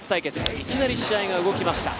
いきなり試合が動きました。